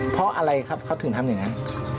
เพราะอะไรครับเขาถึงทำอย่างนั้น